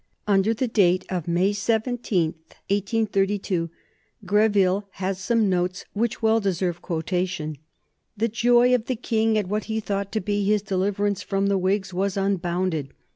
Under the date of May 17, 1832, Greville has some notes which well deserve quotation: "The joy of the King at what he thought to be his deliverance from the Whigs was unbounded.